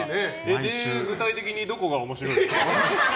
で、具体的にどこが面白いですか？